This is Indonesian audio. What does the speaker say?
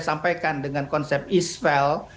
sampaikan dengan konsep isval